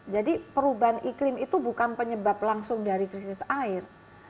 jadi perubahan iklim itu bukan penyebab langsung dari krisis air